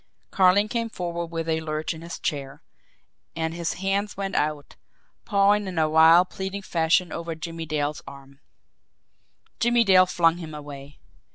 Carling came forward with a lurch in his chair and his hands went out, pawing in a wild, pleading fashion over Jimmie Dale's arm. Jimmie Dale flung him away.